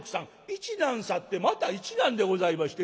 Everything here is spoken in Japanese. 一難去ってまた一難でございましてね。